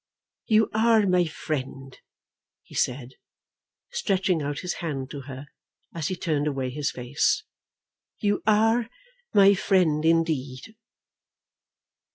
"You are my friend," he said, stretching out his hand to her as he turned away his face. "You are my friend, indeed."